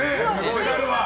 メダルは。